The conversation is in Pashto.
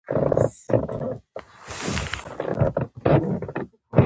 ایا د کور ستونزې لرئ؟